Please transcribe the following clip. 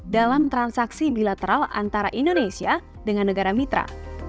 dalam transaksi bilateral antara indonesia dengan negara mitra